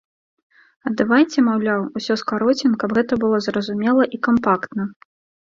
А давайце, маўляў, усё скароцім, каб гэта было зразумела і кампактна.